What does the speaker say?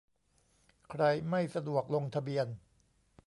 ใครไม่สะดวกลงทะเบียน